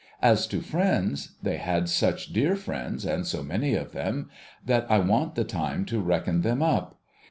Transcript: As to friends, they had such dear friends and so many of them, that I want the time to reckon them up.